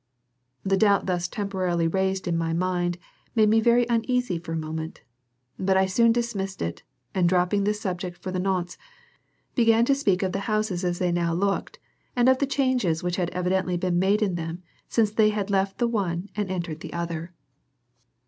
The doubt thus temporarily raised in my mind made me very uneasy for a moment, but I soon dismissed it and dropping this subject for the nonce, began to speak of the houses as they now looked and of the changes which had evidently been made in them since they had left the one and entered the other.